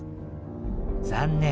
残念。